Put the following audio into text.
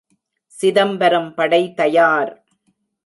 சிதம்பரம் படை தயார்!